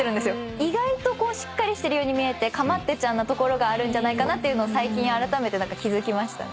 意外とこうしっかりしてるように見えてかまってちゃんなところがあるんじゃないかなっていうのを最近あらためて気付きましたね。